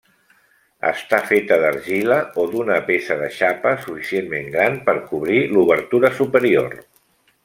Està feta d'argila o d'una peça de xapa suficientment gran per cobrir l'obertura superior.